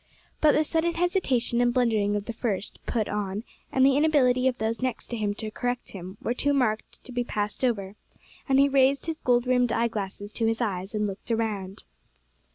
But the sudden hesitation and blundering of the first "put on," and the inability of those next to him to correct him, were too marked to be passed over, and he raised his gold rimmed eye glasses to his eyes and looked round.